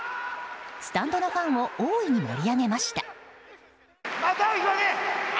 スタンドのファンを大いに盛り上げました。